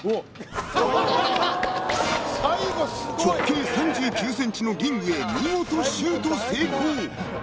［直径３９ｃｍのリングへ見事シュート成功］